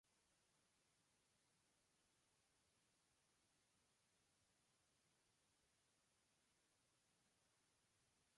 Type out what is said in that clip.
Es un ciclista especializado en clásicas, donde ha logrado importantes victorias y buenos resultados.